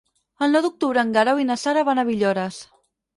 El nou d'octubre en Guerau i na Sara van a Villores.